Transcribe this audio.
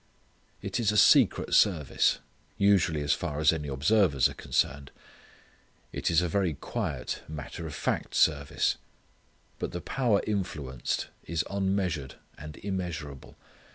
It is a secret service, usually as far as any observers are concerned. It is a very quiet, matter of fact service. But the power influenced is unmeasured and immeasurable.